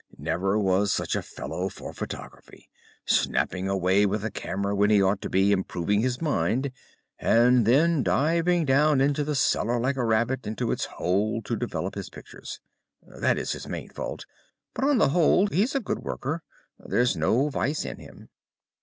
"Never was such a fellow for photography. Snapping away with a camera when he ought to be improving his mind, and then diving down into the cellar like a rabbit into its hole to develop his pictures. That is his main fault, but on the whole he's a good worker. There's no vice in him."